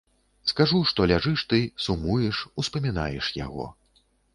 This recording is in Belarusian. Скажу, што ляжыш ты, сумуеш, успамінаеш яго.